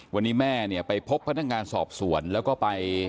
วันนี้แม่ไปพบพนักงานสอบสวรรค์แล้วก็ไป